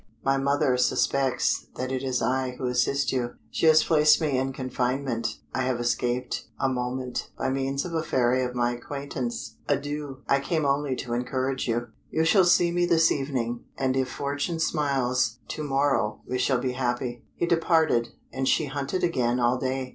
"My mother suspects that it is I who assist you: she has placed me in confinement. I have escaped a moment, by means of a fairy of my acquaintance. Adieu! I came only to encourage you. You shall see me this evening, and if fortune smiles, to morrow we shall be happy." He departed, and she hunted again all day.